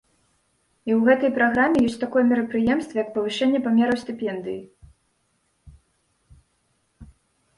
І ў гэтай праграме ёсць такое мерапрыемства, як павышэнне памераў стыпендыі.